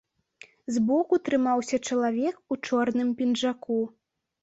Збоку трымаўся чалавек у чорным пінжаку.